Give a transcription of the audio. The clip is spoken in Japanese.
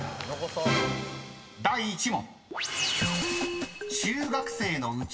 ［第１問］